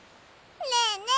ねえねえ